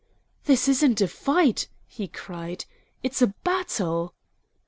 "This isn't a fight," he cried, "it's a battle!"